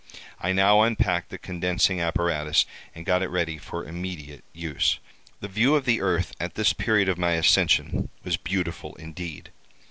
I now unpacked the condensing apparatus, and got it ready for immediate use. "The view of the earth, at this period of my ascension, was beautiful indeed.